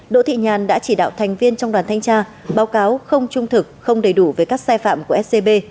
đỗ thị nhàn đã chỉ đạo thành viên trong đoàn thanh tra báo cáo không trung thực không đầy đủ về các sai phạm của scb